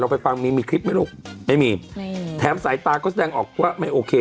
ไปฟังมีมีคลิปไหมลูกไม่มีแถมสายตาก็แสดงออกว่าไม่โอเค